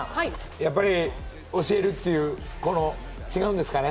やっぱり教えるっていう違うんですかね？